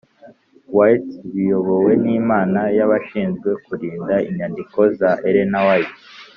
White biyobowe n’Inama y’Abashinzwe kurinda inyandiko za Ellen G. White